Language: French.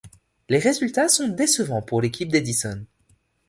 Les résultats sont décevants pour l'équipe d'Edison.